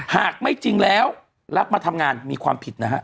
หากไม่จริงแล้วรับมาทำงานมีความผิดนะฮะ